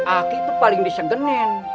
aki tuh paling disegenin